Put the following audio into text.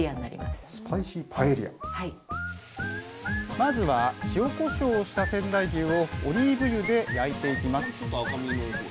まずは塩こしょうをした仙台牛をオリーブ油で焼いていきます。